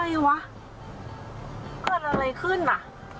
อะไรวะเกิดอะไรขึ้นป่ะ